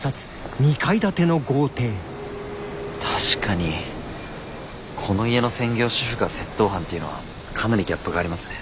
確かにこの家の専業主婦が窃盗犯っていうのはかなりギャップがありますね。